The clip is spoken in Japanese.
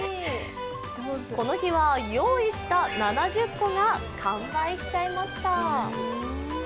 この日は用意した７０個が完売しちゃいました。